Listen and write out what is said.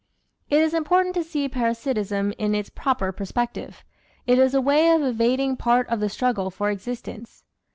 It is important to see parasitism in its proper perspective: it is a way of evading part of the struggle for existence.